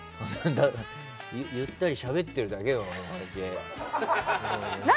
ゆったりしゃべってるだけだけどな。